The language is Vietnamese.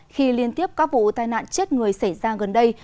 khi liên tiếp các vụ tai nạn chết người xảy ra gần đây